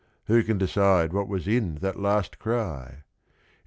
Who can decide what was in that last cry?